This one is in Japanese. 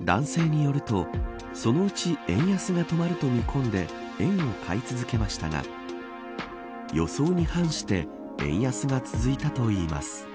男性によるとそのうち円安が止まると見込んで円を買い続けましたが予想に反して円安が続いたといいます。